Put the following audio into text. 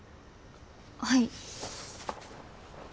はい。